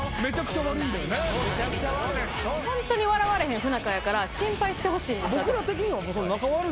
ホントに笑われへん不仲やから心配してほしいんです。